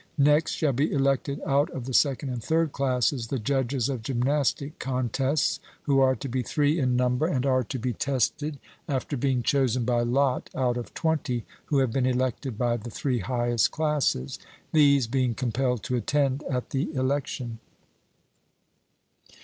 Next shall be elected out of the second and third classes the judges of gymnastic contests, who are to be three in number, and are to be tested, after being chosen by lot out of twenty who have been elected by the three highest classes these being compelled to attend at the election.